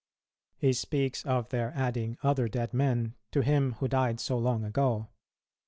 He speaks of their adding other dead men to Him who died so long ago.